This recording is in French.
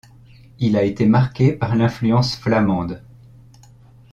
Il a été marqué par l'influence flamande.